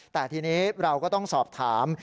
แต่ทีนี้เราก็ต้องสอบถาม